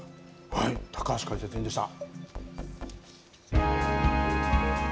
高橋解説委員でした。